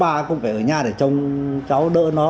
ba cũng phải ở nhà để trông cháu đỡ nó